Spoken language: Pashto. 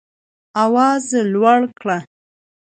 آواز لوړ کړئ